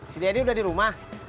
si dedy udah di rumah